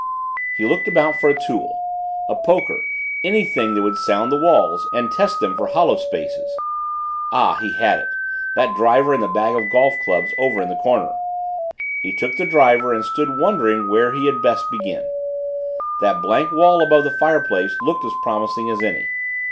He looked about for a tool, a poker, anything that would sound the walls and test them for hollow spaces. Ah, he had it that driver in the bag of golf clubs over in the corner. He got the driver and stood wondering where he had best begin. That blank wall above the fireplace looked as promising as any.